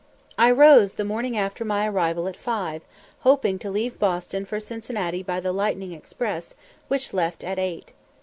I rose the morning after my arrival at five, hoping to leave Boston for Cincinnati by the Lightning Express, which left at eight.